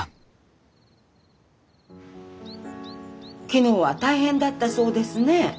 昨日は大変だったそうですね。